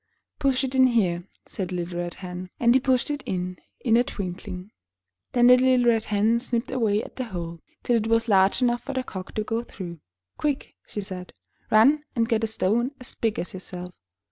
'Tush it in here," said the little Red Hen, and he pushed it in, in a twinkling. Then the little Red Hen snipped away at the hole, till it was large enough for the Cock to get through. ''Quick," she said, "run and get a stone as big as yourself."